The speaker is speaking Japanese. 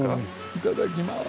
いただきます。